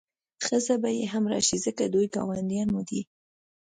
ښځه به یې هم راشي ځکه دوی ګاونډیان مو دي.